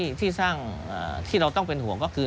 ชีวิตที่สร้างที่เราต้องเป็นหวังก็คือ